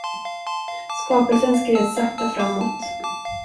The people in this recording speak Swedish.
Skapelsen skred sakta framåt.